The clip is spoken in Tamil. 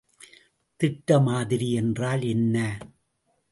திட்ட மாதிரி என்றால் என்ன?